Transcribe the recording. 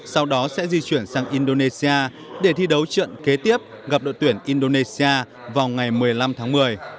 sau đó sẽ di chuyển sang indonesia để thi đấu trận kế tiếp gặp đội tuyển indonesia vào ngày một mươi năm tháng một mươi